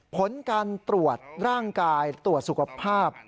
ผลการตรวจร่างกายตรวจสุขภาพ